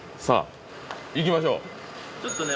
さあ行きましょう！